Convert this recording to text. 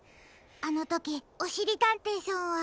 あのときおしりたんていさんは。